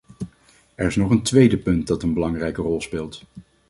Er is nog een tweede punt dat een belangrijke rol speelt.